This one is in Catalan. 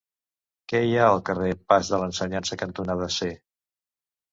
Què hi ha al carrer Pas de l'Ensenyança cantonada C?